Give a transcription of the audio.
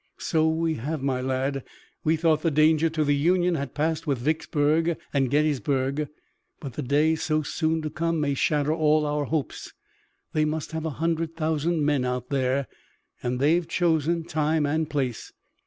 "So we have, my lad. We thought the danger to the Union had passed with Vicksburg and Gettysburg, but the day so soon to come may shatter all our hopes. They must have a hundred thousand men out there, and they've chosen time and place.